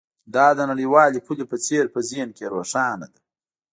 دا د نړیوالې پولې په څیر په ذهن کې روښانه ده